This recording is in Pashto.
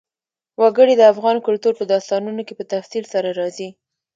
وګړي د افغان کلتور په داستانونو کې په تفصیل سره راځي.